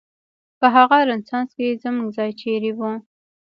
په هغه رنسانس کې زموږ ځای چېرې و؟